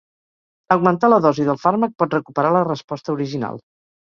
Augmentar la dosi del fàrmac pot recuperar la resposta original.